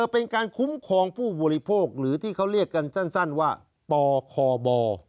เป็นการคุ้มครองผู้บริโภคหรือที่เขาเรียกกันสั้นว่าปคบ